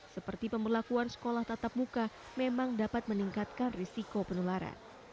seperti pemberlakuan sekolah tatap muka memang dapat meningkatkan risiko penularan